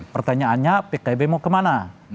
pertanyaannya pkb mau kemana